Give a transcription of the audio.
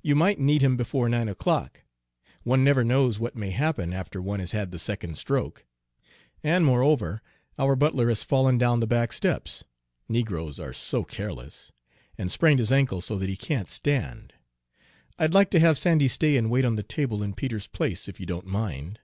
"You might need him before nine o'clock. One never knows what may happen after one has had the second stroke. And moreover, our butler has fallen down the back steps negroes are so careless! and sprained his ankle so that he can't stand. I'd like to have Sandy stay and wait on the table in Peter's place, if you don't mind."